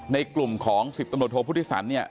ในกลุ่มของสิบตำรวจโทพุธิสรร